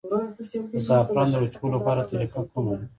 د زعفرانو د وچولو غوره طریقه کومه ده؟